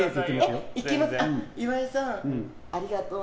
岩井さん、ありがとう。